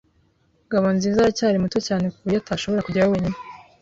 Ngabonziza aracyari muto cyane ku buryo atashobora kujyayo wenyine.